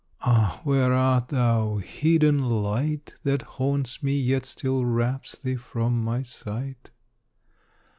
Ah! where art thou, hid in light That haunts me, yet still wraps thee from my sight?